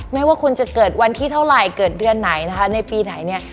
ไม่ว่าคุณจะเกิดวันที่เท่าไหร่เกิดเดือนไหนนะคะในปีไหนเนี่ย